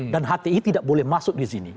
dan hti tidak boleh masuk disini